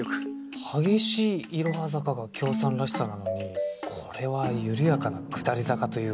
激しいいろは坂がきょーさんらしさなのにこれは緩やかな下り坂というか。